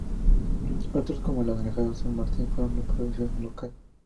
Otros, como el Anaranjado San Martín, fueron de producción local.